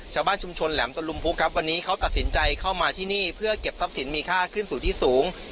ชาวบ้านชุมชนแหลมตะลุมพุกครับวันนี้เขาตัดสินใจเข้ามาที่นี่เพื่อเก็บทรัพย์สินมีค่าขึ้นสู่ที่สูง